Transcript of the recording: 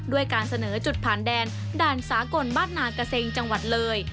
ด้วยการเสนอจุดผ่านแดนด่านสากลบ้านนากระเซงจังหวัดเลย